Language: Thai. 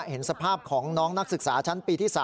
เห็นสภาพของน้องนักศึกษาชั้นปีที่๓